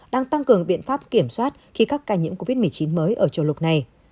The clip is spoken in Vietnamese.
đang tăng cường biện pháp kiểm soát khi các ca nhiễm covid một mươi chín mới ở châu lục này